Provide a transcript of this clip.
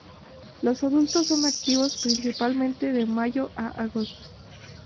Los adultos son activos principalmente de mayo a agosto.